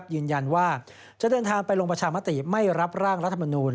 ยืนยันว่าจะเดินทางไปลงประชามติไม่รับร่างรัฐมนูล